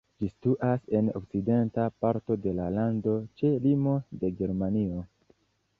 Ĝi situas en okcidenta parto de la lando ĉe limo de Germanio.